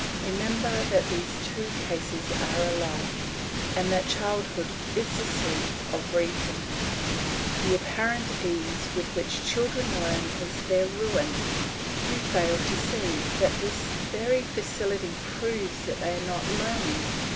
Remember that these two cases are alike, and that childhood is the sleep of reason. The apparent ease with which children learn is their ruin. You fail to see that this very facility proves that they are not learning.